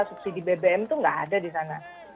subsidi bbm itu nggak ada di sana